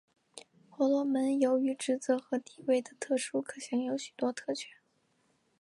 婆罗门由于职责和地位的特殊可享有许多特权。